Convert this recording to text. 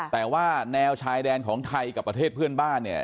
แต่ว่าแนวชายแดนของไทยกับประเทศเพื่อนบ้านเนี่ย